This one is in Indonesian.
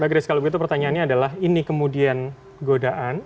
mbak gris kalau begitu pertanyaannya adalah ini kemudian godaan